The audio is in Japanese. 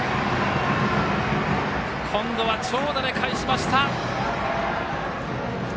今度は長打でかえしました。